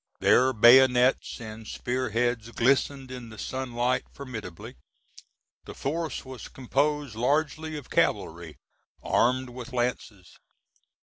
Their bayonets and spearheads glistened in the sunlight formidably. The force was composed largely of cavalry armed with lances.